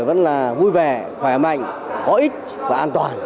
vẫn là vui vẻ khỏe mạnh có ích và an toàn